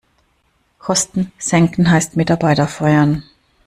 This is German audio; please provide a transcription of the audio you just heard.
Kosten senken heißt Mitarbeiter feuern.